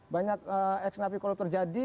banyak eks nafi koruptor jadi